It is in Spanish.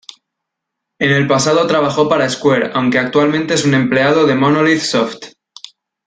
En el pasado trabajó para Square, aunque actualmente es un empleado de Monolith Soft.